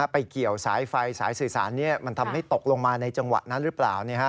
ไปเกี่ยวสายไฟสายสื่อสารนี้มันทำให้ตกลงมาในจังหวะนั้นหรือเปล่า